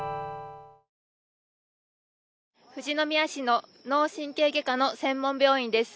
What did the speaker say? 富士宮市の脳神経外科の専門病院です。